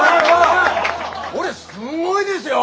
これすんごいですよ。